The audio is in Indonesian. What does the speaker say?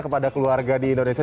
kepada keluarga di indonesia